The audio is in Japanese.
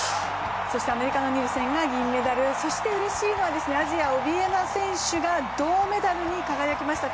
アメリカのニルセンが銀メダル、そしてうれしいのはアジア、オビエナ選手が銅メダルに輝きました。